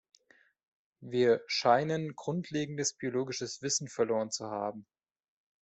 Wir scheinen grundlegendes biologisches Wissen verloren zu haben.